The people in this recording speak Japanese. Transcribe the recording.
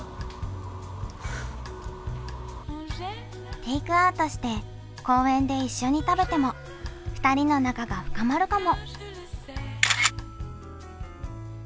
テイクアウトして、公園で一緒に食べても、２人の仲が深まるかも。